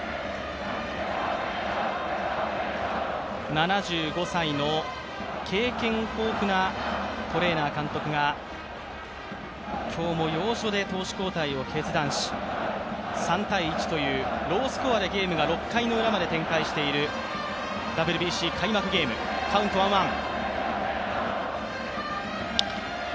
７５歳の経験豊富なトレーナー監督が今日も要所で投手交代を決断し３−１というロースコアでゲームが６回のウラまで展開しているＷＢＣ開幕ゲーム、カウント、ワン・ワン。